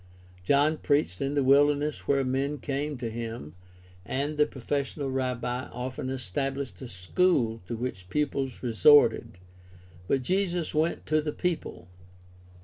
John preached in the wilderness where men came to him, and the professional rabbi often established a school to which pupils resorted, but Jesus went to the people.